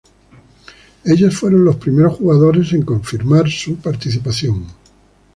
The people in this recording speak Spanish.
Ellos fueron los primeros jugadores en confirmar su participación.